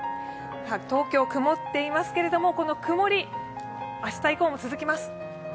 東京、くもっていますけれども、曇り、明日以降も続きます。